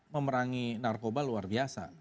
memerangi narkoba luar biasa